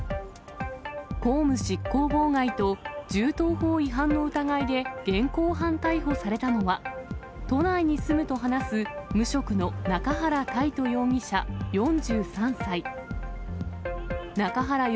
公務執行妨害と銃刀法違反の疑いで現行犯逮捕されたのは、都内に住むと話す、無職の中原泰斗容疑者４３歳。